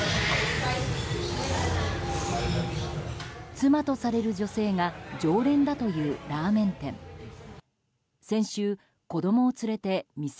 妻とされる女性が常連だというラーメン店。